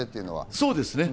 そうですね。